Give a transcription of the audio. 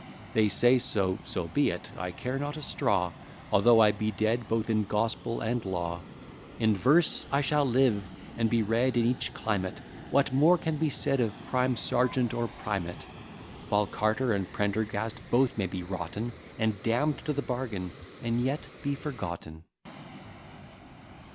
They say so; so be it, I care not a straw, Although I be dead both in gospel and law; In verse I shall live, and be read in each climate; What more can be said of prime sergeant or primate? While Carter and Prendergast both may be rotten, And damn'd to the bargain, and yet be forgotten.